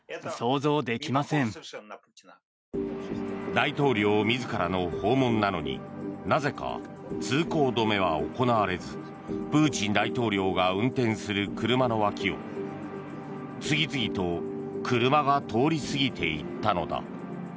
大統領自らの訪問なのになぜか通行止めは行われずプーチン大統領が運転する車の脇を次々と車が通り過ぎて行ったのだ。